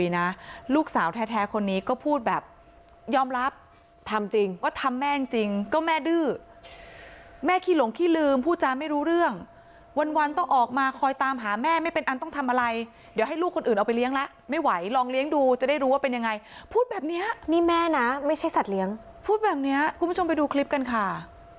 นะลูกสาวแท้คนนี้ก็พูดแบบยอมรับทำจริงว่าทำแม่จริงก็แม่ดื้อแม่ขี้หลงขี้ลืมพูดจาไม่รู้เรื่องวันต้องออกมาคอยตามหาแม่ไม่เป็นอันต้องทำอะไรเดี๋ยวให้ลูกคนอื่นเอาไปเลี้ยงแล้วไม่ไหวลองเลี้ยงดูจะได้รู้ว่าเป็นยังไงพูดแบบนี้นี่แม่นะไม่ใช่สัตว์เลี้ยงพูดแบบนี้คุณผู้ชมไปดูคลิปกันค่ะ